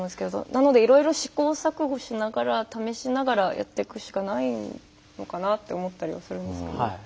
なのでいろいろ試行錯誤しながら試しながらやっていくしかないのかなって思ったりはするんですけど。